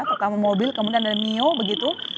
pertama mobil kemudian ada mio begitu